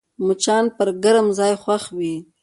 مچان پر ګرم ځای خوښ وي